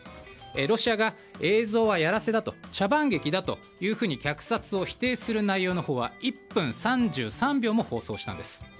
ロシアが映像はやらせだ茶番劇だと虐殺を否定する内容のほうは１分３３秒も放送したんです。